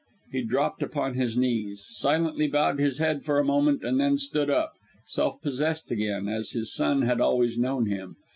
He dropped upon his knees, silently bowed his head for a moment, and then stood up, self possessed again, as his son had always known him.